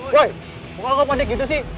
woy pokoknya kau pandai gitu sih